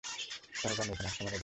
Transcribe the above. তারা জানে এখন হাসা মানেই বিপদ।